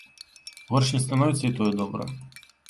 Горш не становіцца, і тое добра.